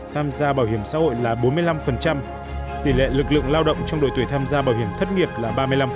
tham gia bảo hiểm xã hội là bốn mươi năm tỷ lệ lực lượng lao động trong đội tuổi tham gia bảo hiểm thất nghiệp là ba mươi năm